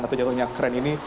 atau jadwalnya keren ini